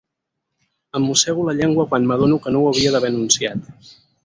Em mossego la llengua quan m'adono que no ho havia d'haver anunciat.